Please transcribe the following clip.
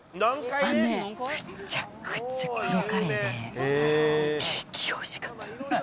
あのね、むちゃくちゃ黒カレーで、激おいしかったの。